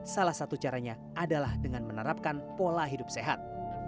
salah satu caranya adalah dengan menerapkan pola hidup sehat